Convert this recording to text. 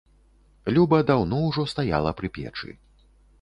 Люба даўно ўжо стаяла пры печы.